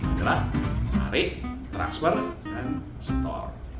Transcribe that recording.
adalah tarik transfer dan store